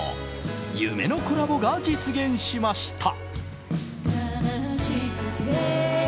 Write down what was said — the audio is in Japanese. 夢のコラボが実現しました。